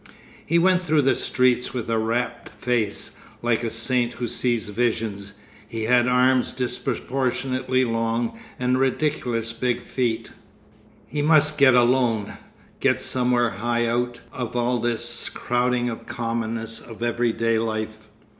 He went through the streets with a rapt face, like a saint who sees visions. He had arms disproportionately long, and ridiculous big feet. He must get alone, get somewhere high out of all this crowding of commonness, of everyday life.